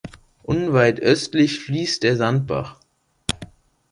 Unweit östlich fließt der Sandbach.